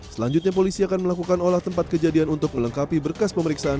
selanjutnya polisi akan melakukan olah tempat kejadian untuk melengkapi berkas pemeriksaan